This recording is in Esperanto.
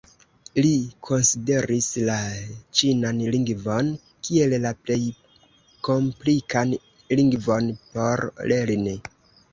Li konsideris la ĉinan lingvon kiel la plej komplikan lingvon por lerni.